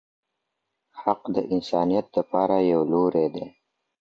حق د انسانیت دپاره یو لوری دی.